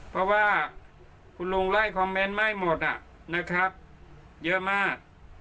เพราะว่าคุณลุงไล่คอมเมนต์ไหม้หมดนะครับเยอะมาก